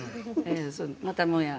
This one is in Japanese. またもや。